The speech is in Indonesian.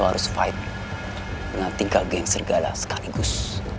lu harus fight dengan tiga geng serigala sekaligus